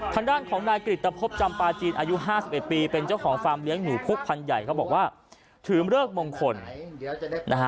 ทางด้านของนายกริตภพจำปาจีนอายุ๕๑ปีเป็นเจ้าของฟาร์มเลี้ยงหนูพุกพันใหญ่เขาบอกว่าถือเลิกมงคลนะฮะ